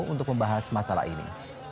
untuk membahas masalah ini